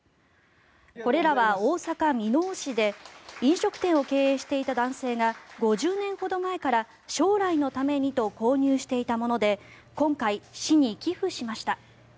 これらは大阪・箕面市で飲食店を経営していた男性が５０年ほど前から将来のためにと購入していたもので今回、市に寄付しました。